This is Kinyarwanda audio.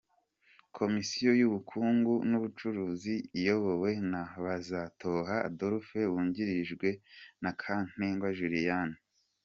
Komisiyo y’Ubukungu n‘Ubucuruzi iyobowe na Bazatoha Adolphe wungirijwe na Kantengwa Juliana.